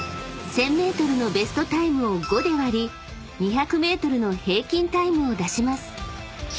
［１，０００ｍのベストタイムを５で割り２００ｍの平均タイムを出します］